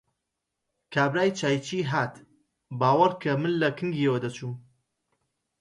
کابرای چاییچی هات، باوەڕ کە من لە کنگیەوە دەچووم!